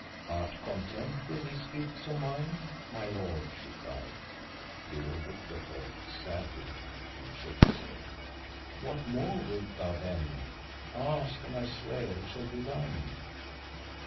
"Art content with these gifts of mine, my lord?" she cried. Leo looked at her sadly and shook his head. "What more wilt thou then? Ask and I swear it shall be thine."